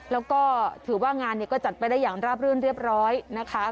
แล้วก็ถือว่างานก็จัดไปได้อย่างราบรื่นเรียบร้อยนะคะ